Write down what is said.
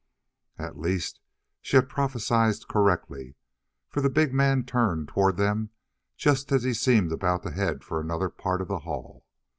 At least she had prophesied correctly, for the big man turned toward them just as he seemed about to head for another part of the hall.